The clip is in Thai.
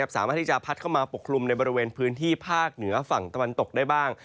สามารถที่จะพัดเข้ามาปกคลุมในบริเวณพื้นที่ภาคเหนือฝั่งตะวันตกได้บ้าง